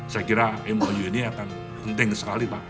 saya kira mou ini akan penting sekali pak